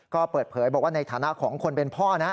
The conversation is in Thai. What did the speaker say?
ก็เปิดเผยบอกว่าในฐานะของคนเป็นพ่อนะ